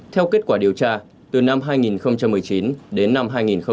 theo kết quả điều tra từ năm hai nghìn một mươi chín đến năm hai nghìn hai mươi